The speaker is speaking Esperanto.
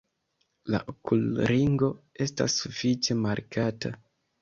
La okulringo estas sufiĉe markata.